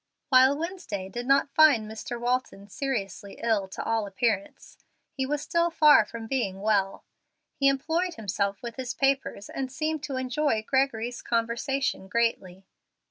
While Wednesday did not find Mr. Walton seriously ill to all appearance, he was still far from being well. He employed himself with his papers and seemed to enjoy Gregory's conversation greatly.